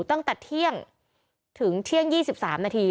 ตั้งแต่เที่ยงถึงเที่ยงยี่สิบสามนาที